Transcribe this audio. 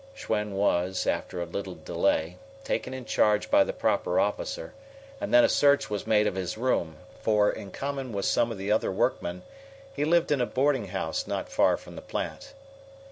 Schwen was, after a little delay, taken in charge by the proper officer, and then a search was made of his room, for, in common with some of the other workmen, he lived in a boarding house not far from the plant.